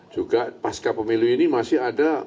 juga pasca pemilu ini masih ada